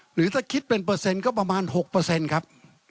หรือถ้าคิดเป็นเปอร์เซ็นต์ก็ประมาณ๖ครับ